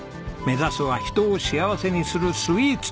目指すは人を幸せにするスイーツ。